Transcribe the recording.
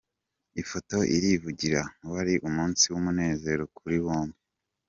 Ifoto irivugira, wari umunsi w'umunezero kuri bombi.